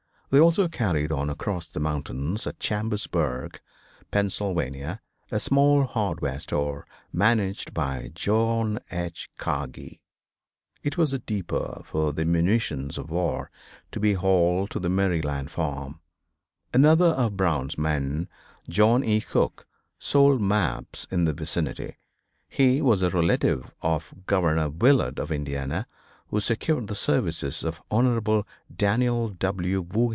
They also carried on across the mountains at Chambersburg, Pennsylvania, a small hardware store managed by John H. Kagi. It was a depot for the munitions of war to be hauled to their Maryland farm. Another of Brown's men, John E. Cook, sold maps in the vicinity. He was a relative of Governor Willard of Indiana who secured the services of Hon. Daniel W.